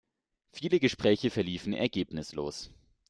Viele Gespräche verliefen ergebnislos.